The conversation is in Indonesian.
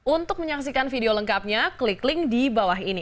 untuk menyaksikan video lengkapnya klik link di bawah ini